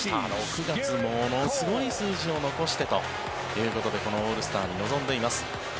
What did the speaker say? ６月、ものすごい数字を残してということでこのオールスターに臨んでいます。